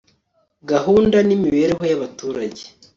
gahunda n imibereho y abaturage